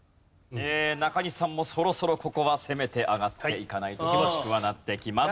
中西さんもそろそろここは攻めて上がっていかないと厳しくはなってきます。